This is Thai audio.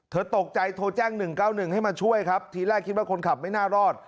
ตกใจโทรแจ้ง๑๙๑ให้มาช่วยครับทีแรกคิดว่าคนขับไม่น่ารอด